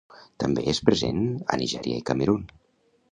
També és present a Nigèria i Camerun.